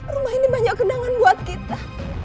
rumah ini banyak kenangan buat kita